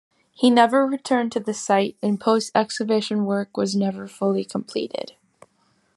He never returned to the site and post-excavation work was never fully completed.